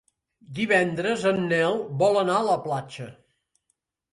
Divendres en Nel vol anar a la platja.